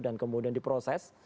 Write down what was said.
dan kemudian diproses